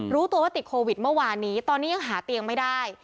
รู้ตัวว่าติดโควิดเมื่อวานนี้ตอนนี้ยังหาเตียงไม่ได้